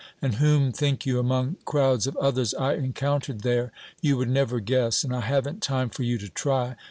And whom think you, among crowds of others, I encountered there? You would never guess, and I haven't time for you to try.